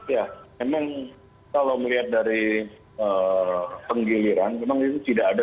ya memang kalau melihat dari penggiliran memang itu tidak ada